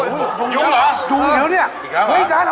เราก็ซื้อหวยตามนั้นเลย